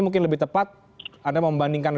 mungkin lebih tepat anda membandingkan